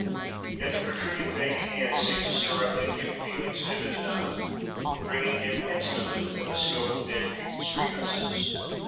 Yet the protruding baby hand seemed to stir up in him feelings vivid enough, bringing him intimately within the scope of dead people's grievances.